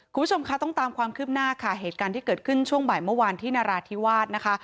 คุณผู้ชมคะต้องตามความคืบหน้าค่ะเหตุการณ์ที่เกิดขึ้นช่วงบ่ายเมื่อวานที่นราธิวาสนะคะ